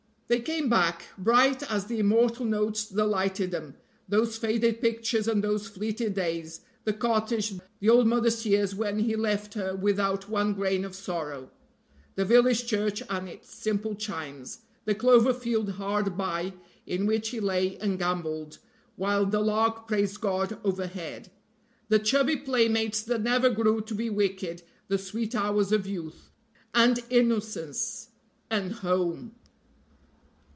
They came back, bright as the immortal notes that lighted them, those faded pictures and those fleeted days; the cottage, the old mother's tears when he left her without one grain of sorrow; the village church and its simple chimes; the clover field hard by in which he lay and gamboled, while the lark praised God overhead; the chubby playmates that never grew to be wicked, the sweet hours of youth and innocence and home.